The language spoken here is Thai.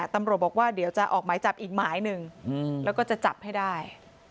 ตำรวจบอกว่าเดี๋ยวจะออกหมายจับอีกหมายหนึ่งแล้วก็จะจับให้ได้